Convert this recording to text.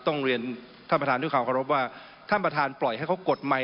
ต้องเรียนท่านประธานด้วยความเคารพว่าท่านประธานปล่อยให้เขากดไมค